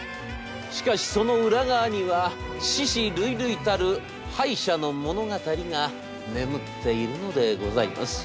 しかしその裏側には死屍累々たる敗者の物語が眠っているのでございます。